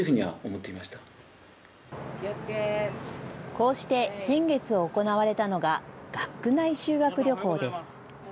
こうして、先月行われたのが学区内修学旅行です。